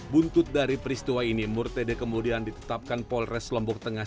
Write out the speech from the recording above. buntut dari peristiwa ini murtede kemudian ditetapkan polres lombok tengah